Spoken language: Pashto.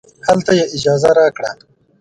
هلته یې اجازه راکړه.